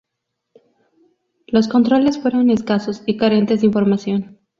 Los controles fueron escasos y carentes de información.